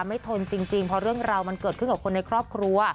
ทนจริงเพราะเรื่องราวมันเกิดขึ้นกับคนในครอบครัว